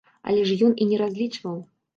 Але ж ён і не разлічваў.